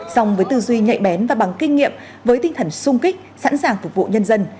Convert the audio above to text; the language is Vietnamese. song với tư duy nhạy bén và bằng kinh nghiệm với tinh thần sung kích sẵn sàng phục vụ nhân dân